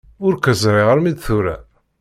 Ur k-ẓriɣ armi d tura.